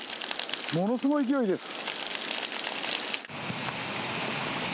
ものすごい勢いです。